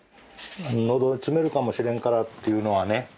喉へ詰めるかもしれんからっていうのはね